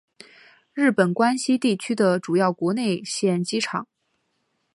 日本关西地区的主要国内线机场。